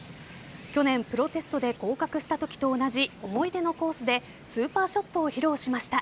去年、プロテストで合格したときと同じ思い出のコースでスーパーショットを披露しました。